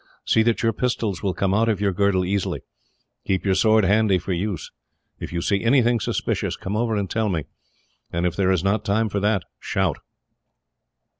See that your pistols will come out of your girdle easily. Keep your sword handy for use. If you see anything suspicious, come over and tell me, and if there is not time for that, shout."